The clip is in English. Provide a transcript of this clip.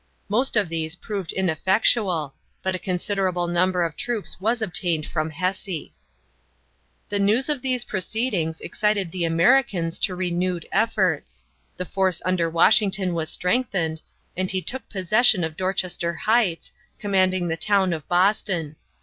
Most of these proved ineffectual, but a considerable number of troops was obtained from Hesse. The news of these proceedings excited the Americans to renewed efforts. The force under Washington was strengthened, and he took possession of Dorchester Heights, commanding the town of Boston.